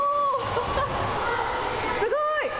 すごい。